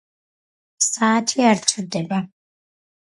საათი არ ჩერდება